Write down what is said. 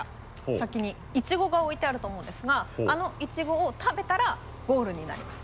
先にイチゴが置いてあると思うんですがあのイチゴを食べたらゴールになります。